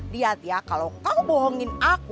lihat ya kalau kau bohongin aku